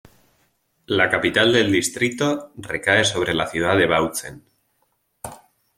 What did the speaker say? La capital del distrito recae sobre la ciudad de Bautzen.